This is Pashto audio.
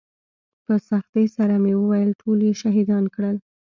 په سختۍ سره مې وويل ټول يې شهيدان کړل.